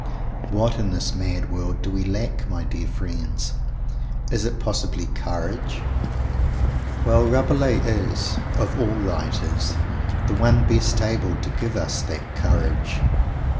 What in this mad world, do we lack, my dear friends? Is it possibly courage? Well, Rabelais is, of all writers, the one best able to give us that courage.